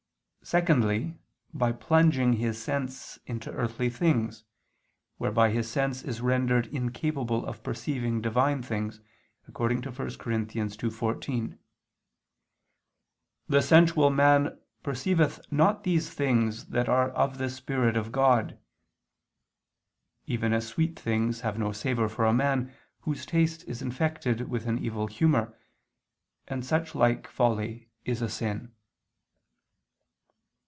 Secondly, by plunging his sense into earthly things, whereby his sense is rendered incapable of perceiving Divine things, according to 1 Cor. 2:14, "The sensual man perceiveth not these things that are of the Spirit of God," even as sweet things have no savor for a man whose taste is infected with an evil humor: and such like folly is a sin.